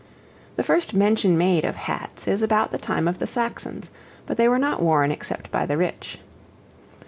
The first mention made of hats is about the time of the Saxons, but they were not worn except by the rich.